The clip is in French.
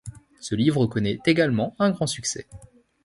Ce livre connait également un grand succès.